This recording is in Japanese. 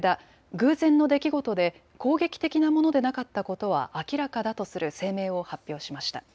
偶然の出来事で攻撃的なものでなかったことは明らかだとする声明を発表しました。